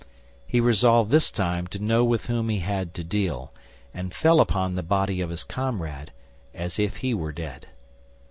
He resolved this time to know with whom he had to deal, and fell upon the body of his comrade as if he were dead.